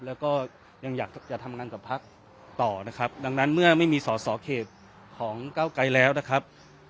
แล้วก็ยังอยากจะทำงานกับพักต่อนะครับดังนั้นเมื่อไม่มีสอสอเขตของเก้าไกรแล้วนะครับ